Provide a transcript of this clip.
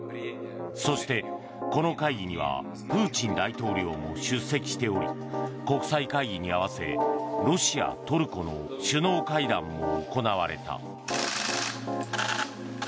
そして、この会議にはプーチン大統領も出席しており国際会議に合わせロシア、トルコの首脳会談も行われた。